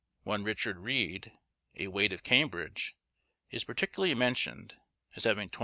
One Richard Reede, a wait of Cambridge, is particularly mentioned, as having 20_s.